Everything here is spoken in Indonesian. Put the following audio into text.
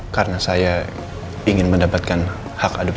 karena saya ingin mendapatkan hak adonan